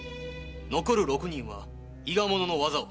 残る六人は伊賀者の技を。